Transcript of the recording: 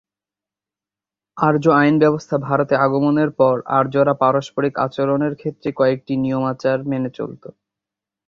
আর্য আইনব্যবস্থা ভারতে আগমনের পর আর্যরা পারস্পরিক আচরণের ক্ষেত্রে কয়েকটি নিয়মাচার মেনে চলত।